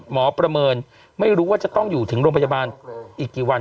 ประเมินไม่รู้ว่าจะต้องอยู่ถึงโรงพยาบาลอีกกี่วัน